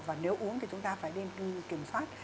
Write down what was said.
và nếu uống thì chúng ta phải nên kiểm soát